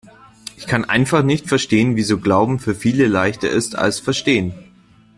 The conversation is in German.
Ich kann einfach nicht verstehen, wieso Glauben für viele leichter ist als Verstehen.